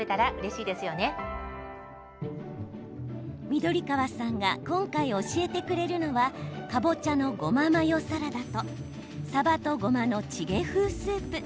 緑川さんが今回教えてくれるのはかぼちゃのごまマヨサラダとさばとごまのチゲ風スープ。